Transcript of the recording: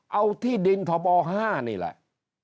เอาที่ดินทบ๕นี่แหละ